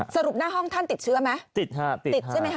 สรุปหน้าห้องท่านติดเชื้อไหม